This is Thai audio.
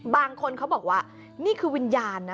บางคนเขาบอกว่านี่คือวิญญาณนะ